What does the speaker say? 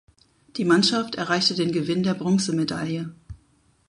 Die Mannschaft erreichte den Gewinn der Bronzemedaille.